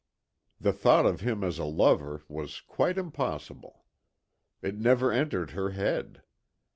The thought of him as a lover was quite impossible. It never entered her head.